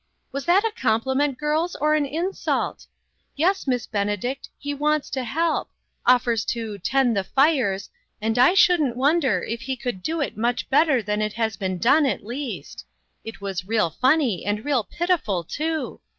Was that a compliment, girls, or an insult? Yes, Miss Benedict, he wants to help ; offers to ' tend the fires,' and I shouldn't wonder if he could do it much better than it has been done at least. It was real funny, and real pitiful, too.